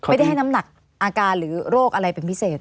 ไม่ได้ให้น้ำหนักอาการหรือโรคอะไรเป็นพิเศษ